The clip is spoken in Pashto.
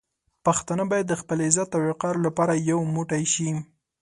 پښتانه باید د خپل عزت او وقار لپاره یو موټی شي.